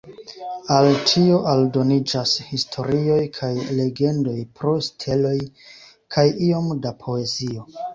Al tio aldoniĝas historioj kaj legendoj pro steloj kaj iom da poezio.